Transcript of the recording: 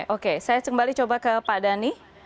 oke saya kembali coba ke pak dhani